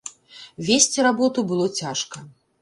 Весці работу было цяжка.